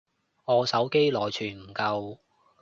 我手機內存唔夠